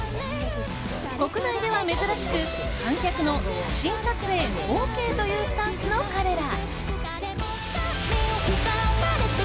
国内では珍しく観客の写真撮影ＯＫというスタンスの彼ら。